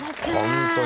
本当に。